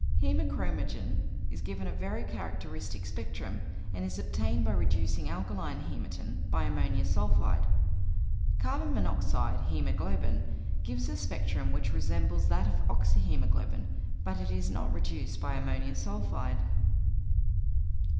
Hæmochromogen gives a very characteristic spectrum, and is obtained by reducing alkaline hæmatin by ammonium sulphide. Carbon monoxide hæmoglobin gives a spectrum which resembles that of oxyhæmoglobin, but it is not reduced by ammonium sulphide.